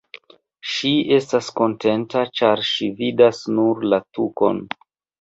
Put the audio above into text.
Ŝi estas kontenta, ĉar ŝi vidas nur la tukon.